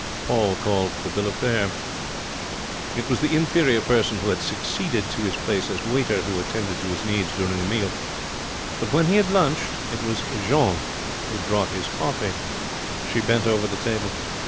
Paul called for the bill of fare. It was the inferior person who had succeeded to his place as waiter who attended to his needs during the meal; but when he had lunched it was Jeanne who brought his coffee. She bent over the table.